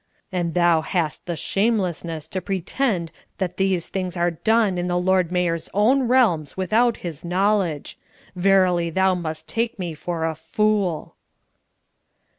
And thou hast the shamelessness to pretend that these things are done in the Lord Mayor's own realms without his knowledge! Verily thou must take me for a fool!"